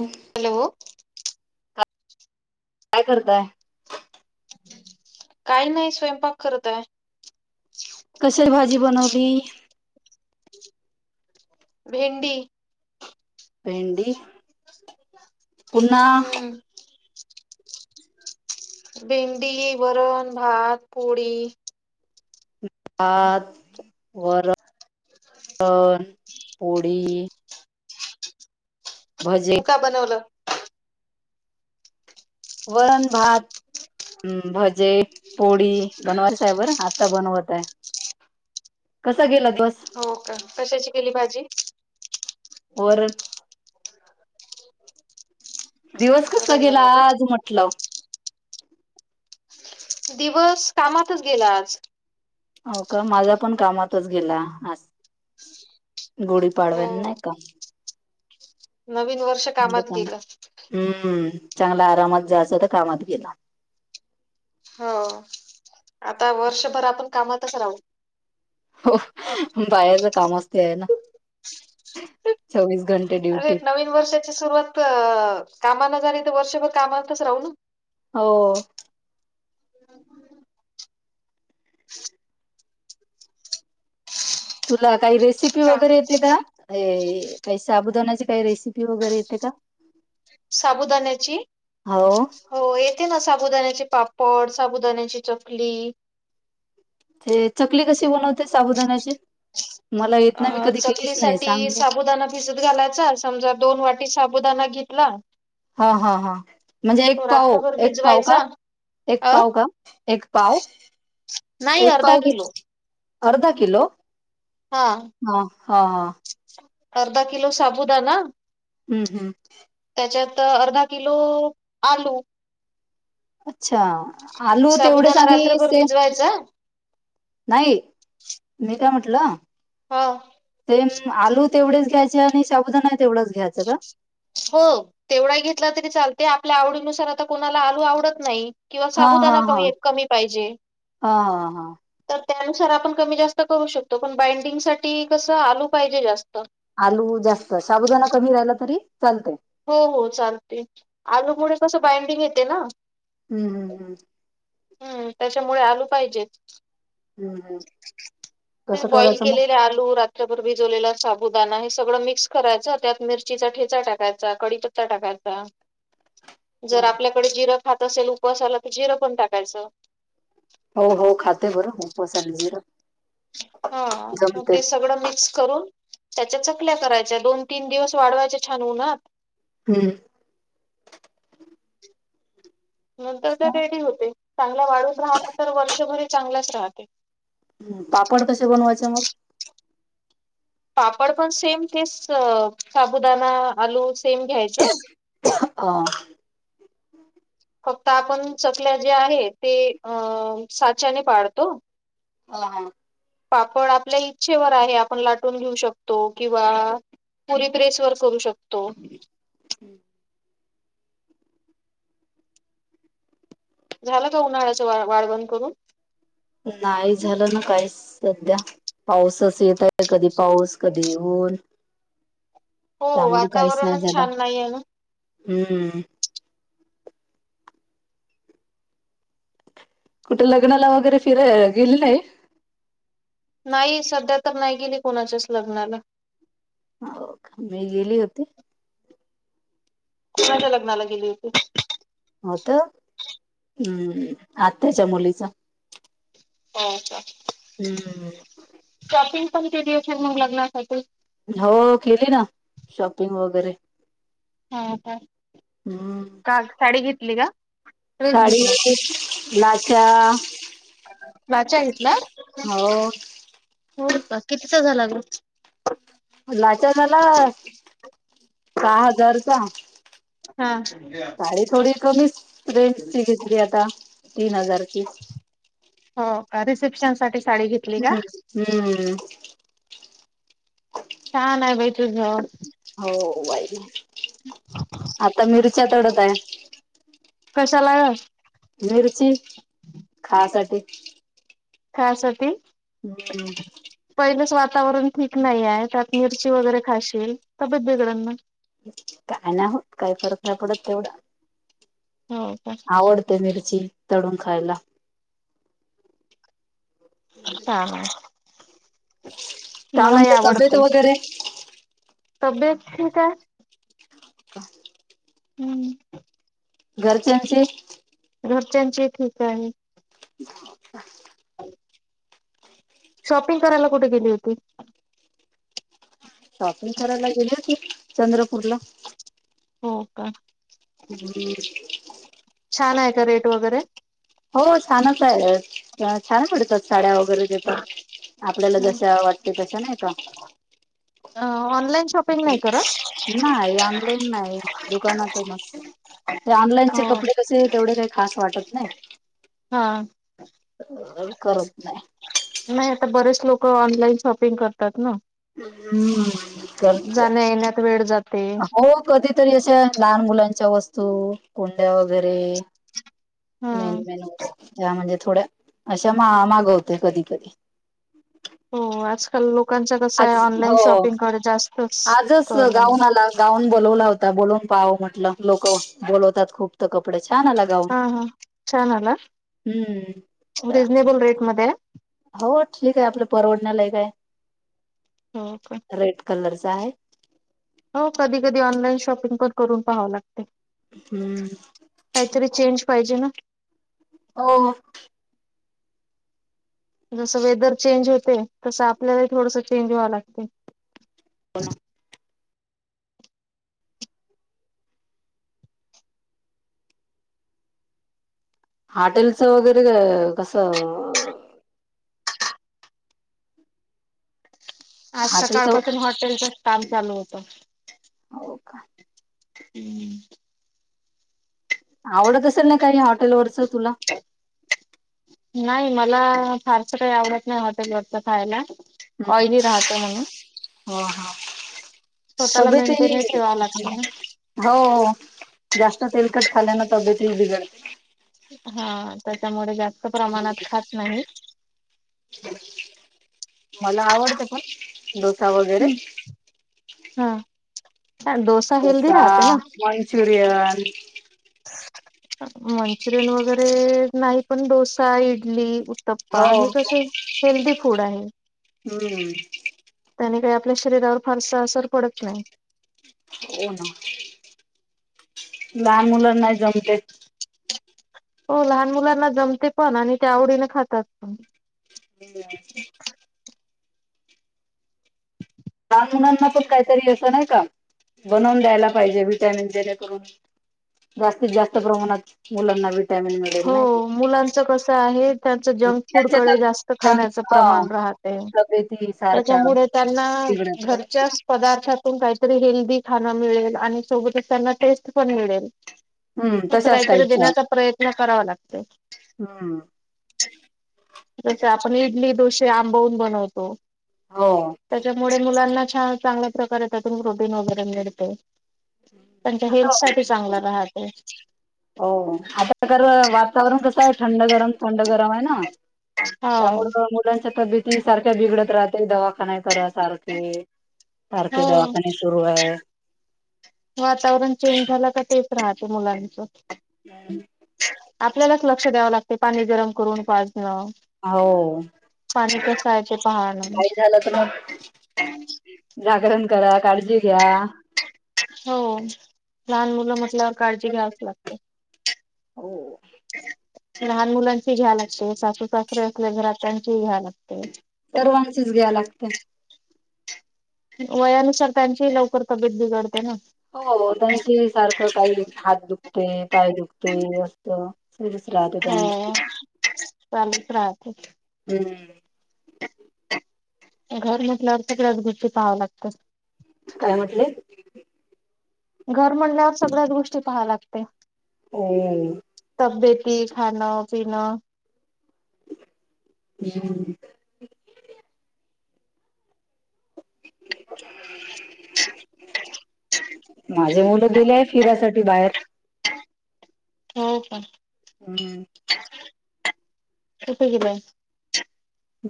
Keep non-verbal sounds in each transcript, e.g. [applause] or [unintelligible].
उहं hello. काय करताय. काही नाही स्वयंपाक करतय. कशाची भाजी बनवली. भेंडी. भेंडी पुन्हा हम्म. भेंडी, वरण, भात पोळी. भात, वरण, पोळी. भजे तू काय बनवलं? वरन भात. हम्म भजे, पोळी बनवायच आहे बरं आता बनवत आहे. कसा गेलात बस. हो का कशाची केली भाजी. वरण. [inaudible] दिवस कसा वरण गेला बनवलं आज म्हटलं. दिवस कामातच गेला आज. हो का माझा पण कामातच गेला आज. हो गुडीपाडव्या न, नाय का? नवीन वर्ष कामात गेलं. हम्म, चांगल आरामात जाचं, त कामात गेला. हो, आता वर्षभर, आपण कामातच राहू. हो, बायाच कामच ते ये णा, चोवीस घंट अरे, नवीन वर्षाची सुरुवात अ, कामान झाली, त वर्षभर कामातच राहू ना? हो. ह [unintelligible] तुला काही, रेसिपी का वगैरे, येते का? ये काही साबुदानाची, काही रेसिपी वगैरे, येते का? साबुदाण्याची? हो हो, येते ना, साबुदाण्याचे पापड, साबुदाण्याची चकली. ते चकली कशी बनवते, साबुदानाची? मला येत अ नाय, मी कधी केलीच नाही चकलीसाठी सांग साबुदाणा भिजत घालायचा, समजा दोन वाटी साबुदाना घेतला हा हा हा, म्हणजे एक तो पाऊ, रात्रभर एक पाऊ का? भिजवायचा एक अ पाव का, एक पाव? नाही, एक अर्धा पाव घे किलो. अर्धा किलो? हां, हा, हा, हा. अर्धा किलो साबुदाना हम्म हम्म. त्याच्यात, अर्धा किलो, आलू. अच्छा, आलू तेवढेच साबुदाणा आम्ही रात्रभर सेव भिजवायचा नाही, मी काय म्हटलं? हं. तेन, आलू तेवढेच घ्यायचे आणि शाबुदाना तेवडाच घ्यायचा का? हो, तेवढा घेतला तरी चालते, आपल आवडीनुसार, आता कोणाला, आलू आवडत नही. किंवा हा, हा, साबुदाना हा. कमी-कमी पाहिजे. हा, हा, हा. तर त्यानुसार आपण कमी-जास्त करू शकतो, पण बाइंडिंग साठी, कसं आलू पाहिजे जास्त. आलू जास्त, शाबुदाना कमी राहिला, तरी चालत. हो हो चालते, अगं पुढे कसं, बाइंडिंग येते ना? हम्म हम् हम्. हम्म, त्याच्यामुळे आलू पाहिजेत. हम्म हम्म हम्म. कसं बॉइल करायचं मग? केलेले आलू, रत त्र भर भिजवलेला साबूदाना, हे सगळं मिक्स करायचं, त्यात मिरचीचा ठेचा टाकायचा, कडीपत्ता टाकायचा [inaudible] जर आपल्याकडे, जिरं खात असेल उपवासाला, त जिरं पण टाकायचं. हो हो,, खाते बरं, हो उपवासाला जिरं हां, मग जमते ते सगळं मिक्स करून, त्याच्या चकल्या करायच्या, दोन-तीन दिवस वाढवायच्या छान उनात. हम. नंतर त्या रेडी होते, चांगला वाळूच राहालं, तर वर्षभरही चांगलंच राहते. हम, पापड कशे बनवायचे मग? पापड पण सेम तेच, साबुदाणा, आलू सेम घ्यायचं. अं? फक्त आपण चकल्या ते आहे, ते अ साच्याने पाडतो. अहा पापड आपल्या इच्छेवर आहे, आपण लाटून घेऊ शकतो किंवा पुरी प्रेसवर, करू शकतो. हं झालं का? उन्हाळ्याचं वा वाळवण करून? नाही झालं ना, काहीच सध्या. पाऊसच येत आहे. कधी पाऊस, कधी ऊन हो त्यामुळे काहीच नाही वातावरणच झालं. छान नाही आहे ना हं. कुठं लग्नाला वगैरे, फिराय गेली नाही? नाही, सध्या तर नाही गेली कोणाच्याच लग्नाला. हो का? मी गेली होती. कोणाच्या लग्नाला गेली होती? होतं, हं, आत्याच्या मुलीचं. हो का? हं शॉपिंग पण केली असेल, मग लग्नासाठी? हो, केली ना... शॉपिंग वगैरे. हो, का? हम्म काल, साडी घेतली का? ड्रेस साडी, घेतला लाच्या लाचा घेतला? हो होडपा कितीचा झाला, गं? लाचा झाला, सहा हजारचा हा. साडी थोडी कमीच रेंजची घेतली आता, तीन हजारची. हो, का? रिसेप्शनसाठी साडी घेतली का? हम्म हम्म छान आहे बाई तुझं. हो, बाई. आता मिरच्या तोडत आहे. कशाला ग? मिरची, खासाठी खायासाठी? हं पहिलंच वातावरण ठीक नाही आहे, त्यात मिरची वगैरे खाशील तब्येत बिघडन नं. काय नाही होत. काय फरक नाही पडत तेवढं. हो का आवडते, मिरची तळून खायला हा.. का मलाही म्हणते तब्येत आवडते..... वगैरे तब्येत ठीक आहे? का? हं घरच्यांची? घरच्यांची ही ठीक आहे. [inaudible] शॉपिंग करायला कुठं गेली होती? शॉपिंग करायला गेले होती चंद्रपूरला. हो का? हं. छान आहे का रेट वगैरे? हो छानच आहे,,, अ छान पडतात. साड्या वगैरे तिथं,, आपल्याला जशा आवाडते तशा नाही का. अ ऑनलाईन शॉपिंग नाही करत? नाही ऑनलाईन नाही, दुकानातूच ते ऑनलाईनचे कपडे कसे तेवढे काही खास वाटत नाही. हां. करत नाही. नाही आता बरेच लोकं ऑनलाईन शॉपिंग करतात ना. हम्म करतात,, जाण्या येण्यात वेळ जाते हो. कधीतरी अशा लहान मुलांच्या वस्तू,, कुंड्या वगैरे. हा. मेन मेन वस्तू त्या म्हणजे थोड्या,, अशा मा मागवतय कधी कधी. हो, आजकाल लोकांचा कसंय आज ऑनलाईन हो शॉपिंगकडे जास्तच आजच कलं आहे. गाऊन आला गाऊन बोलवला होता,, बोलून पहाव म्हटलं, लोकं, बोलवतात खूप तर कपडे छान आला गाऊन हा हा छान आला? हम्म रिझनेबल रेट मध्ये आहे. हो ठीक आहे, आपलं परवडण्या लायक हाय. हो का? रेड कलरचा आहे. हो कधी कधी ऑनलाईन शॉपिंग पण करून पाहावं लागतय. हम्म. काहीतरी चेंज पाहिजे ना. हो. जसं वेदर चेंज होते,, तसं आपल्यालाही थोडसं चेंज व्हावं लागते. हो ना. हॉटेलचं वगैरे कसं आज हॉटेलच सकाळपासून हॉटेलचच काम चालू होतं. हो का? हम्म. आवडत असेल ना काही हॉटेलवरच तुला? नाही मला, फारसं काही आवडत नाही हॉटेलवररच खायला ऑयली राहतं म्हणून हो हा स्वतःला तब्येतही मेंटेनहि ठेवा लागतं ना. हो, जास्त तेलकट खाल्ल्यानं तब्येत ही बिघडते. हा त्याच्यामुळे जास्त बिघडते प्रमाणात खात नाही. मला आवडतं पण,, डोसा वगैरे हा,, डोसा हेल्दी डोसा, राहते ना मंचुरियन, मंचुरियन वगैरे नाही पण, डोसा, इडली,, ऊ टप्पा, हो. हे कसे हेल्दी फूड आहे हम्म. त्याने काही आपल्या शरीरावर फारसा असर पडत नाही. हो ना,, लहान मुलांना जमते हो लहान मुलांना जमते पण, आणि ते आवडीनं खातात. हम्म. लहान मुलांना पण काहीतरी असं नाही का,, बनवून द्यायला पाहिजे विटॅमिनच ते काय करून जास्तीत जास्त प्रमाणात,, मुलांना विटॅमिन मिळ हो मुलांच कसं आहे,, त्यांचं जंक त्यांच्या फूडकडे तर जास्त जंक खाण्याचं हा प्रमाण राहत तब्येती सारख्या त्यांना बिघडत राहतात. घरच्याच पदार्थातून काहीतरी हेल्दी खाणं मिळेल आणि सोबतच त्यांना टेस्ट पण मिळेल. हम्म असं तशाच काहीतरी टाईपचा देण्याचा प्रयत्न करावा लागतो. हम्म जसे आपण इडली डोसे आंबवून बनवतो. हो त्याच्यामुळे मुलांना छान चांगल्या प्रकारे त्यातून प्रोटीन वगैरे मिळते. त्यांच्या आता हेल्थ साठी चांगला राहते. हो हा प्रकार वातावरण कसं आहे थंड गरम थंड गरम आहे ना. हो त्यामुळं मुलांच्या तब्येती सारख्या बिघडत राहते दवा आता नाही खरं सारखे सारखे हो. दवाखाने सुरू आहे. वातावरण चेंज झालं का तेच राहतं मुलांचं. हम आपल्यालाच लक्ष द्यावं लागते पाणी गरम करून पाजणं. आ हो पाणी कसं आहे ते पाहणं काय झालं तर मग जागरण करा काळजी घ्या. हो लहान मुलं म्हटल्यावर काळजी घ्यावीच लागते. हो लहान मुलांची घ्याला लागते सासू सासरे असले घरात त्यांचीही घ्या लागते. सर्वांचीच घ्या लागते. वयानुसार त्यांची ही लवकर तब्येत बिघडते ना. हो त्यांचे ही सारखं काही हात दुखतंय पाय दुखतंय अस त सुरूच राहतं त्यांचं. हो चालूच राहते. हम्म घर म्हटल्यावर सगळ्याच गोष्टी पहावं लागतं. काय म्हटले घर म्हणल्यावर सगळ्याच गोष्टी पाहाय लागते. हो तब्येेती खाणं पिणं हम्म माझे मुलं गेले आहे फिरायसाठी बाहेर. हो का हम्म कुठं गेलेय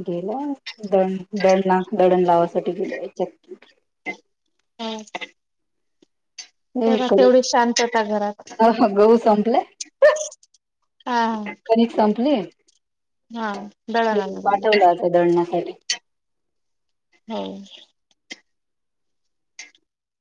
गेलाय दळण दळण ला दडण लावायसाठी गेलाय चक्कीत. हम्म हे करू तेवढी शांतता घरात गहू संपले. हा कनिक संपली हा दळणा हम्म पाठवलं आता दळणासाठी. हो